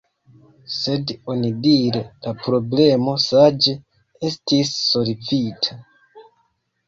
Sed onidire la problemo saĝe estis solvita.